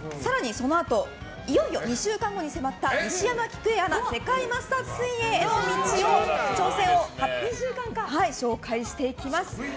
そして、いよいよ２週間後に迫った西山喜久恵アナ世界マスターズ世界水泳への挑戦を紹介していきます。